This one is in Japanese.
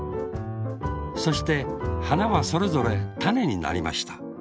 そしてはなはそれぞれたねになりました。